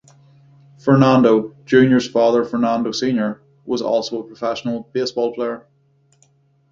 Fernando, Junior's father, Fernando, Senior was also a professional baseball player.